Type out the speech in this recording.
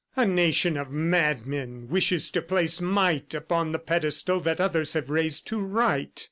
A nation of madmen wishes to place might upon the pedestal that others have raised to Right.